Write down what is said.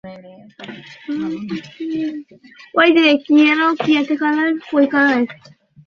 তুমি বুঝি রোজ ঠাকুর পুজো কর।